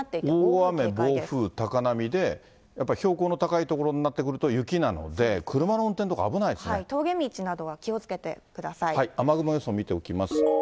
だから大雨、暴風、高波で、やっぱり標高の高い所になってくると雪なので、車の運転とか危な峠道などは気をつけてくださ雨雲予想を見ておきます。